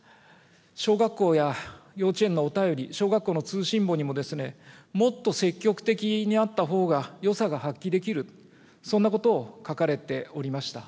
小学校や幼稚園のお便り、小学校の通信簿にももっと積極的になったほうがよさが発揮できる、そんなことを書かれておりました。